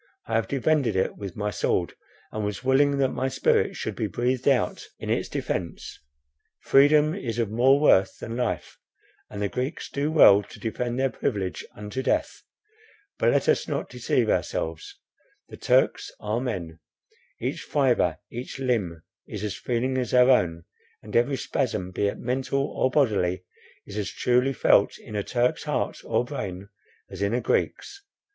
I have defended it with my sword, and was willing that my spirit should be breathed out in its defence; freedom is of more worth than life, and the Greeks do well to defend their privilege unto death. But let us not deceive ourselves. The Turks are men; each fibre, each limb is as feeling as our own, and every spasm, be it mental or bodily, is as truly felt in a Turk's heart or brain, as in a Greek's.